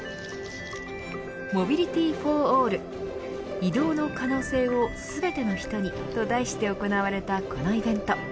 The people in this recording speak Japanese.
ＭｏｂｉｌｉｔｙｆｏｒＡＬＬ移動の可能性を全ての人にと題して行われたこのイベント。